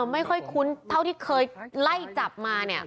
ไม่ค่อยคุ้นเท่าที่เคยไล่จับมาเนี่ย